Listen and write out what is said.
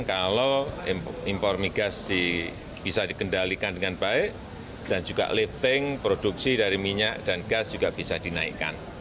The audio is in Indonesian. kalau impor migas bisa dikendalikan dengan baik dan juga lifting produksi dari minyak dan gas juga bisa dinaikkan